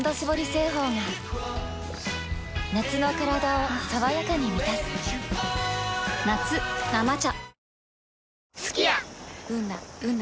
製法が夏のカラダを爽やかに満たす夏「生茶」